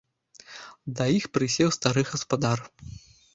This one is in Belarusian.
Да іх прысеў стары гаспадар.